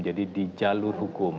jadi di jalur hukum